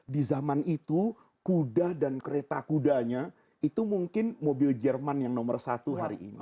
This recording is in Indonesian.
di zaman itu kuda dan kereta kudanya itu mungkin mobil jerman yang nomor satu hari ini